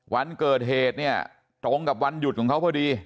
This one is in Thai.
วันเกิดเหตุเนี่ยตรงกับวันหยุดของเขาพอดี